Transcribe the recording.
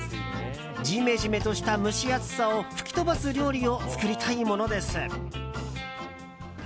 ジメジメとした蒸し暑さを吹き飛ばす料理を作りたいものです。